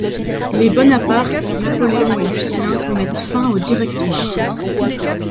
Les Bonaparte, Napoléon et Lucien mettent fin au Directoire.